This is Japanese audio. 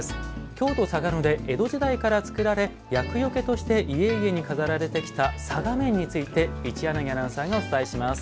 京都・嵯峨野で江戸時代から作られ厄よけとして家々に飾られてきた嵯峨面について一柳アナウンサーがお伝えします。